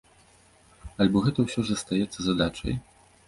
Альбо гэта ўсё ж застаецца задачай?